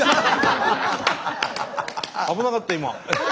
危なかった今。